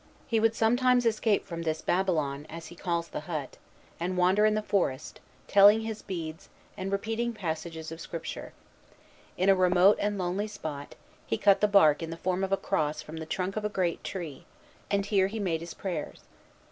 He would sometimes escape from "this Babylon," as he calls the hut, and wander in the forest, telling his beads and repeating passages of Scripture. In a remote and lonely spot, he cut the bark in the form of a cross from the trunk of a great tree; and here he made his prayers.